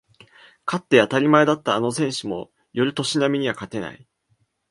勝って当たり前だったあの選手も寄る年波には勝てない